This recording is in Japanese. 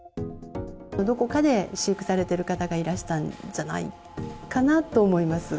どこかで飼育されている方がいらしたんじゃないかなと思います。